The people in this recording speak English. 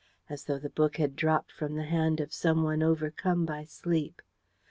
as though the book had dropped from the hand of some one overcome by sleep.